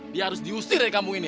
dia harus diusir dari kampung ini